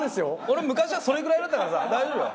俺も昔はそれぐらいだったからさ大丈夫だよ。